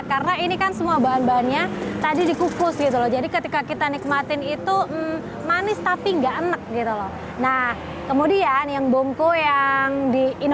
karena ini kan semua bahan bahannya tadi dikukus gitu loh jadi ketika kita nikmatin itu manis tapi